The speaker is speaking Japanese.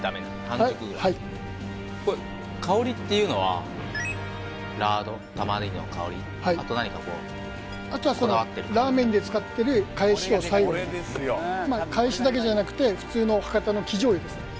香りっていうのはラード玉ねぎの香りはいあと何かこうこだわってるラーメンで使ってるかえしを最後にかえしだけじゃなくて普通の博多の生醤油ですね